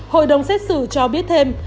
hội đồng xét xử cho biết thêm